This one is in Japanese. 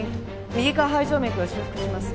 右下肺静脈を修復します。